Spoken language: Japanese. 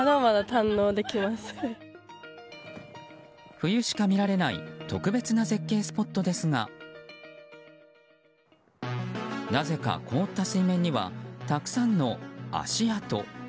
冬しか見られない特別な絶景スポットですがなぜか凍った水面にはたくさんの足跡。